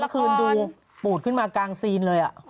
คืนดูปูดขึ้นมากลางซีนเลย